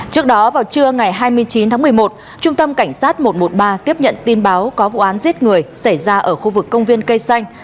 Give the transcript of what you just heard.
trước đó vào trưa ngày hai mươi chín tháng một mươi một trung tâm cảnh sát một trăm một mươi ba tiếp nhận tin báo có vụ án giết người xảy ra ở khu vực công viên cây xanh